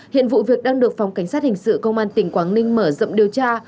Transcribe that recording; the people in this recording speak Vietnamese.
hiện vụ việc đang được phòng cảnh sát hình sự công an tỉnh quảng ninh mở rộng điều tra